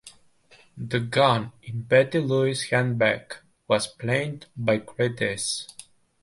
"The Gun in Betty Lou's Handbag" was panned by critics.